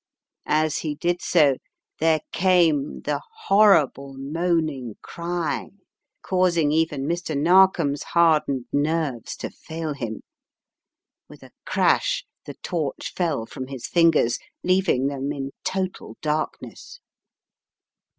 As he did so, there came the horrible moaning cry, causing even Mr. Narkom's hardened nerves to fail him. With a crash the torch fell from his fingers, leaving Jjhem in total darkness!